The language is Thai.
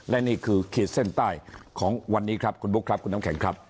และนี่คือขีดเส้นใต้ของวันนี้ครับคุณบุ๊คครับคุณน้ำแข็งครับ